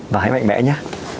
và hãy mạnh mẽ nhé